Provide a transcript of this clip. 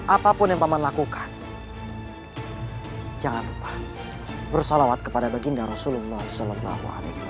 apapun yang paman lakukan jangan lupa bersalawat kepada baginda rasulullah saw